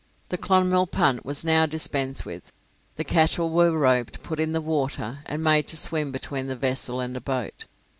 The 'Clonmel' punt was now dispensed with; the cattle were roped, put in the water, and made to swim between the vessel and a boat.